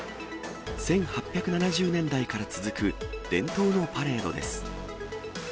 １８７０年代から続く伝統のパレードです。